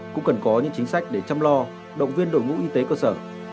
cũng cần có những chính sách để chăm lo động viên đội ngũ y tế cơ sở